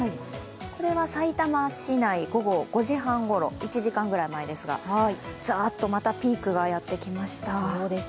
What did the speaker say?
これはさいたま市内、午後５時半ごろ、１時間ぐらい前ですが、ざーっとまたピークがやってきました。